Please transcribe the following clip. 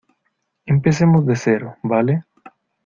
empecemos de cero, ¿ vale?